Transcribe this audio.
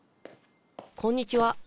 こんにちは。